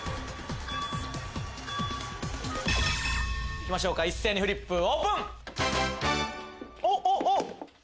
いきましょうか一斉にフリップオープン！